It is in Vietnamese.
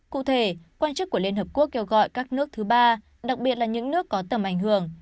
cụ thể quan chức của liên hợp quốc kêu gọi các nước thứ ba đặc biệt là những nước có tầm ảnh hưởng